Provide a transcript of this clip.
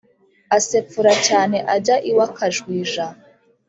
Asepfura cyane ajya iwa kajwija